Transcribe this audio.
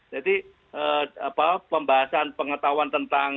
jadi pembahasan pengetahuan tentang